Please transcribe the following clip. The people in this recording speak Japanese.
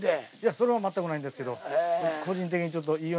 それはまったくないんですけど。